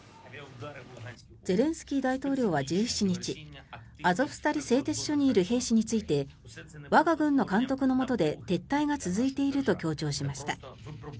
ゼレンスキー大統領は１７日アゾフスタリ製鉄所にいる兵士について我が軍の監督のもとで撤退が続いていると強調しました。